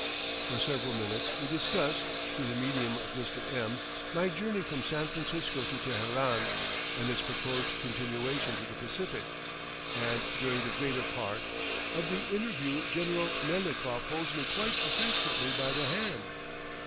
For several minutes we discuss, through the medium of Mr. M , my journey from San Francisco to Teheran, and its proposed continuation to the Pacific; and during the greater part, of the interview General Melnikoff holds me quite affectionately by the hand.